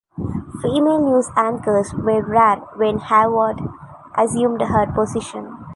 Female news anchors were rare when Hayward assumed her position.